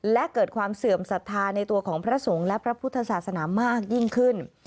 และเกิดความเสื่อมศรัทธาในตัวของพระสงฆ์และพระพุทธศาสนามากยิ่งขึ้น